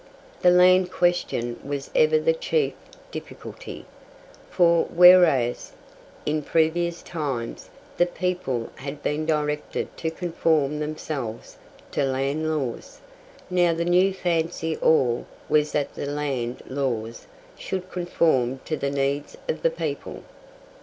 The Land Question was ever the chief difficulty, for, whereas in previous times the people had been directed to conform themselves to land laws, now the new fancy all was that the land laws should conform to the needs of the people.